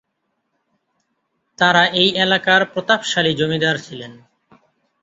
তারা এই এলাকার প্রতাপশালী জমিদার ছিলেন।